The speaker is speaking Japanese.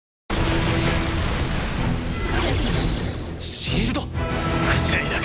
シールド⁉防いだか。